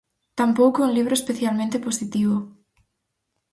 Tampouco é un libro especialmente positivo.